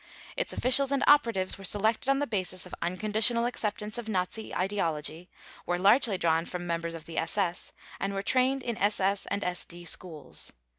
Its officials and operatives were selected on the basis of unconditional acceptance of Nazi ideology, were largely drawn from members of the SS, and were trained in SS and SD schools.